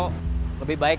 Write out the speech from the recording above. lebih baik saya pergi